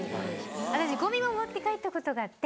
私ゴミを持って帰ったことがあって。